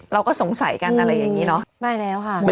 เราก็สงสัยกันอะไรแบบนี้เนอะ